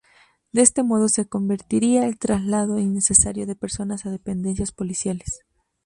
De este modo se evitaría el traslado innecesario de personas a dependencias policiales.